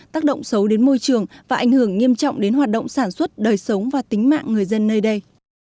tác động xấu đến môi trường và ảnh hưởng nghiêm trọng đến hoạt động sản xuất đời sống và tính mạng người dân nơi đây